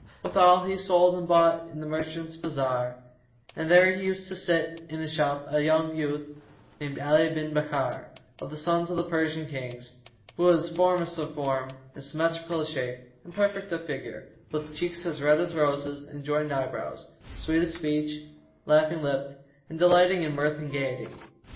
Withal he sold and bought in the merchants' bazar, and there used to sit in his shop a youth named Ali bin Bakkár, of the sons of the Persian Kings[FN#175] who was formous of form and symmetrical of shape and perfect of figure, with cheeks red as roses and joined eyebrows; sweet of speech, laughing lipped and delighting in mirth and gaiety.